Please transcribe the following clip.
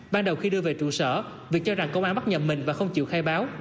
ban đầu khi đưa về trụ sở việc cho rằng công an bắt nhà mình và không chịu khai báo